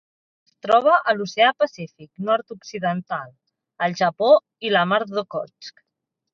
Es troba a l'Oceà Pacífic nord-occidental: el Japó i la Mar d'Okhotsk.